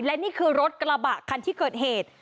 และนี่คือรถกระบะคันที่เกิดเหตุ